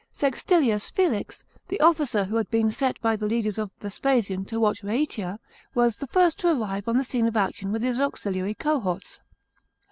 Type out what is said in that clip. Sextilius Felix, the officer who had been set by the leaders of Vespasian to watch Raatia, was the first to arrive on the scene of action with his auxiliary cohorts.